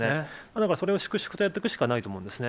だからそれを粛々とやっていくしかないと思うんですよね。